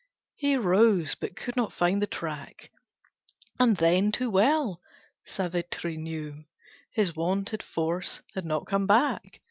He rose, but could not find the track, And then, too well, Savitri knew His wonted force had not come back.